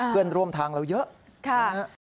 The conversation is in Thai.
เพื่อนร่วมทางเราเยอะนะฮะ